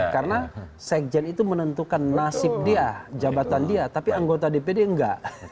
karena sekjen itu menentukan nasib dia jabatan dia tapi anggota dpd enggak